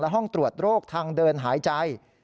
ห้องตรวจโรคทางเดินหายใจ